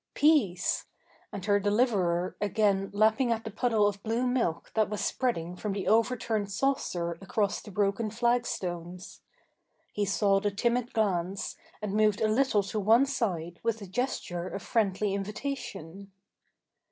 Peace! And her deliverer again lapping at the puddle of blue milk that was spreading from the overturned saucer across the broken flagstones. He saw the timid glance and moved a little to one side with a gesture of friendly invitation.